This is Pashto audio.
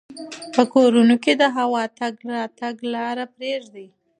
په کورونو کې د هوا د تګ راتګ لاره پریږدئ.